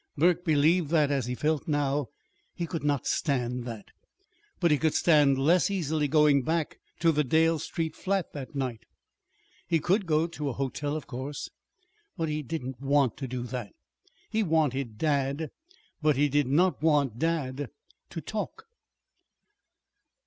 Burke believed that, as he felt now, he could not stand that; but he could stand less easily going back to the Dale Street flat that night. He could go to a hotel, of course. But he did not want to do that. He wanted dad. But he did not want dad to talk.